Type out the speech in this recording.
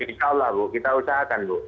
insya allah bu kita usahakan bu